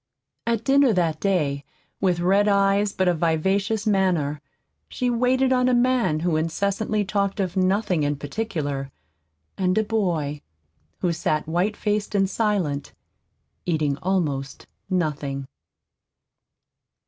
At dinner that day, with red eyes but a vivacious manner, she waited on a man who incessantly talked of nothing in particular, and a boy who sat white faced and silent, eating almost nothing.